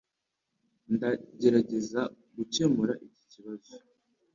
Ndagerageza gukemura iki kibazo.